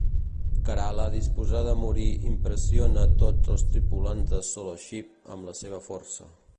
Karala disposada a morir impressiona a tots els tripulants de Solo Ship amb la seva força.